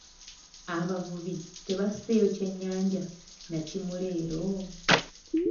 Abavubi tebasseeyo ky'ennyanja na kimu leero.